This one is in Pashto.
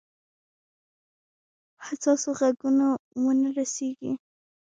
حساسو غوږونو ونه رسیږي.